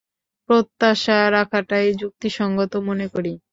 প্রত্যাশা রাখাটাই যুক্তিসঙ্গত মনে করি।